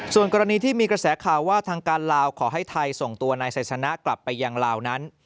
ส่วนกรณีที่มีกระแสข่าวว่าทางการลาวขอให้ไทยส่งตัวนายไซสนะกลับไปยังลาวนั้น